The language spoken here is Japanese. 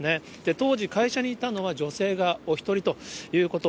当時、会社にいたのは女性がお１人ということ。